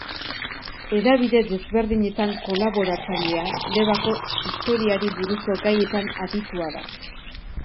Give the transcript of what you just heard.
Hedabide desberdinetan kolaboratzailea, Debako historiari buruzko gaietan aditua da.